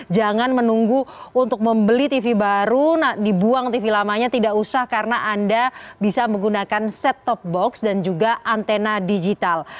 jangan menunggu untuk membeli tv baru dibuang tv lamanya tidak usah karena anda bisa menggunakan set top box dan juga antena digital